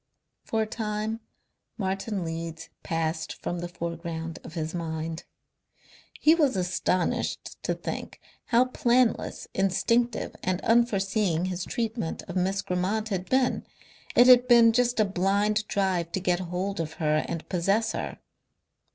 For a time Martin Leeds passed from the foreground of his mind. He was astonished to think how planless, instinctive and unforeseeing his treatment of Miss Grammont had been. It had been just a blind drive to get hold of her and possess her....